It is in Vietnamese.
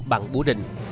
bằng búa đình